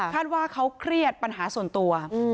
ว่าเขาเครียดปัญหาส่วนตัว